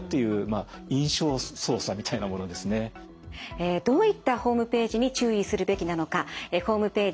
えどういったホームページに注意するべきなのかホームページ